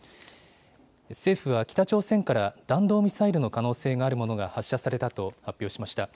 政府は北朝鮮から弾道ミサイルの可能性があるものが発射されたと発表しました。